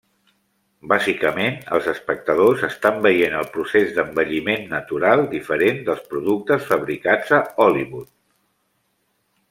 Bàsicament, els espectadors estan veient el procés d'envelliment natural, diferent dels productes fabricats a Hollywood.